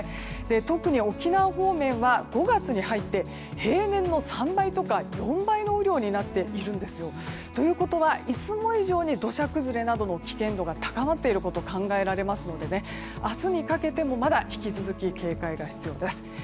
特に沖縄方面は５月に入って平年の３倍とか４倍の雨量になっているんですよ。ということはいつも以上に土砂崩れなどの危険度が高まっていることが考えられますので明日にかけてもまだ引き続き警戒が必要です。